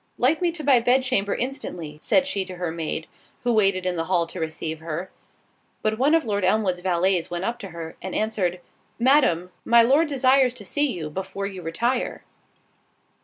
"Light me to my bed chamber instantly," said she to her maid, who waited in the hall to receive her. But one of Lord Elmwood's valets went up to her, and answered, "Madam, my Lord desires to see you before you retire."